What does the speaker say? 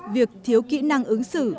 việc thiếu kỹ năng ứng xử